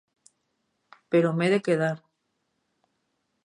Però m'he de quedar.